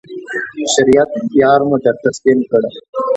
شریعت یار مو در تسلیم کړ.